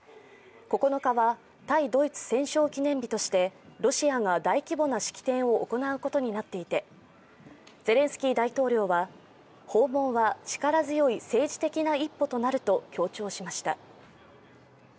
９日は対ドイツ戦勝記念日としてロシアが大規模な式典を行うことになっていてゼレンスキー大統領は、訪問は力強い政治的な一歩となると強調しました。